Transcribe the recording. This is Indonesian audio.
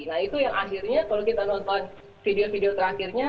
nah itu yang akhirnya kalau kita nonton video video terakhirnya